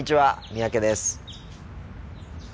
三宅です。